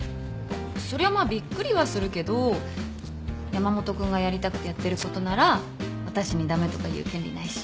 そりゃまあびっくりはするけど山本君がやりたくてやってることなら私に駄目とか言う権利ないし。